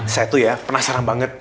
saya tuh ya penasaran banget